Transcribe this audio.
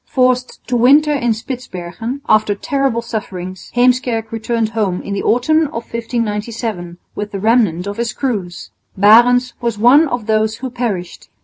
Forced to winter in Spitsbergen, after terrible sufferings, Heemskerk returned home in the autumn of 1597 with the remnant of his crews. Barendtsz was one of those who perished.